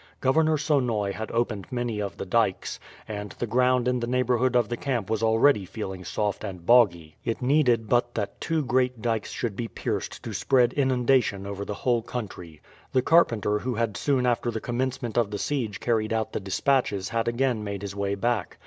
Governor Sonoy had opened many of the dykes, and the ground in the neighbourhood of the camp was already feeling soft and boggy. It needed but that two great dykes should be pierced to spread inundation over the whole country. The carpenter who had soon after the commencement of the siege carried out the despatches had again made his way back.